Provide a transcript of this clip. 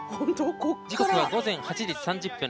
時刻は午前８時３０分。